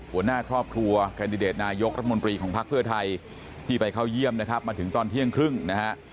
หัวหน้าครอบครัวแคนดิเดตนายกรัฐมนตรีของพักเพื่อไทยที่ไปเข้าเยี่ยมนะครับมาถึงตอนเที่ยงครึ่งนะฮะ